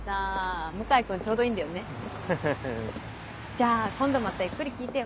じゃあ今度またゆっくり聞いてよ。